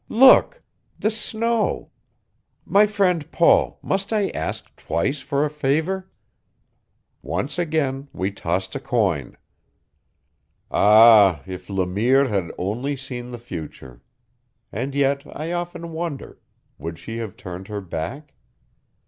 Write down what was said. Look! The snow! My friend Paul, must I ask twice for a favor?" Once again we tossed a coin. Ah, if Le Mire had only seen the future! And yet I often wonder would she have turned her back?